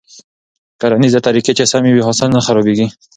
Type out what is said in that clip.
کرنيزې طريقې چې سمې وي، حاصل نه خرابېږي.